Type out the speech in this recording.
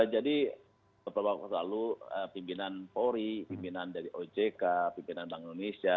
jadi seperti yang saya katakan pimpinan polri pimpinan dari ojk pimpinan bank indonesia